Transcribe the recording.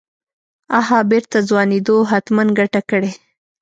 اها بېرته ځوانېدو حتمن ګته کړې.